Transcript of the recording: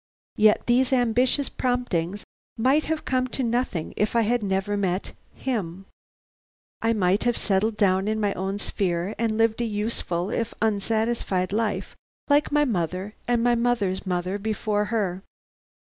Yet these ambitious promptings might have come to nothing if I had never met him. I might have settled down in my own sphere and lived a useful if unsatisfied life like my mother and my mother's mother before her.